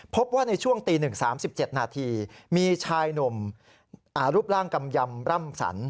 พบว่าในช่วงตี๑๓๗นาทีมีชายหนุ่มรูปร่างกำยำร่ำสัน